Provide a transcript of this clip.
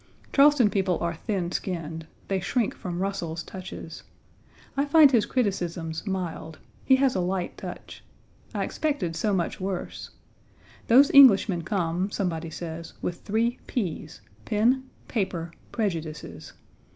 Charleston people are thin skinned. They shrink from Russell's touches. I find his criticisms mild. He has a light touch. I expected so much worse. Those Englishmen come, somebody says, with three P's pen, paper, prejudices.